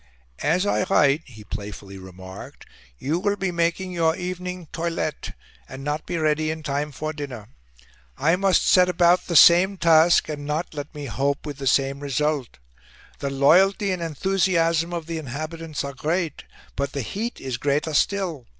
"As I write," he playfully remarked, "you will be making your evening toilette, and not be ready in time for dinner. I must set about the same task, and not, let me hope, with the same result... The loyalty and enthusiasm of the inhabitants are great; but the heat is greater still.